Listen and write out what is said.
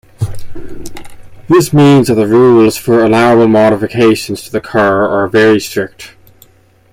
This means that the rules for allowable modifications to the car are very strict.